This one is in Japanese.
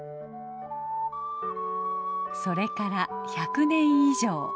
それから１００年以上。